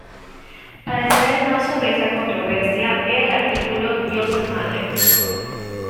Para saber más sobre esta controversia, vea el artículo Diosa Madre.